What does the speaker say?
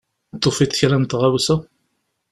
Tufiḍ kra n tɣawsa?